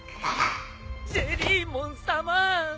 ジェリーモンさま！